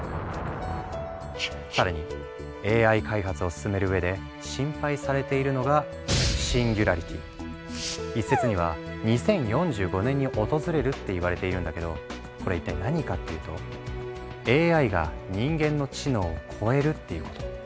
更にＡＩ開発を進めるうえで心配されているのが一説には２０４５年に訪れるっていわれているんだけどこれ一体何かっていうと「ＡＩが人間の知能を超える」っていうこと。